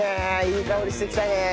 いい香りしてきたね。